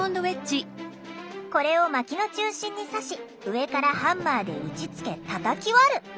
これをまきの中心に刺し上からハンマーで打ちつけ叩き割る。